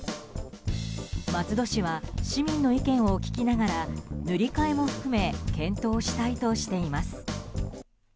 松戸市は市民の意見を聞きながら塗り替えも含め検討したいとしています。